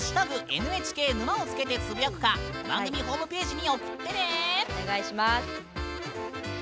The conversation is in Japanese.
「＃ＮＨＫ沼」をつけてつぶやくか番組ホームページに送ってね。